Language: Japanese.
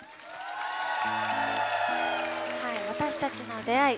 私たちの出会い。